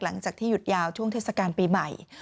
หลังจากที่หยุดยาวช่วงเทศกาลปีใหม่